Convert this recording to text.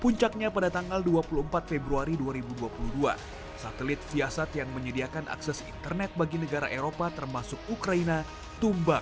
puncaknya pada tanggal dua puluh empat februari dua ribu dua puluh dua satelit viasat yang menyediakan akses internet bagi negara eropa termasuk ukraina tumbang